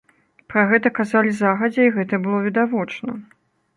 Пра гэта казалі загадзя і гэта было відавочна.